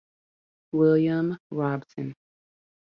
William Robson.